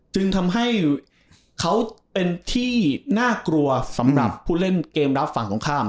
จึงทำให้เขาเป็นที่น่ากลัวสำหรับผู้เล่นเกมรับฝั่งตรงข้าม